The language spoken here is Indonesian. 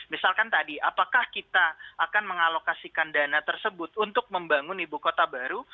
misalkan tadi apakah kita akan mengalokasikan dana tersebut untuk membangun ibu kota baru